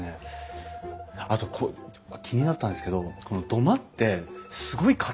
あと気になったんですけどこの土間ってすごい固いじゃないですか。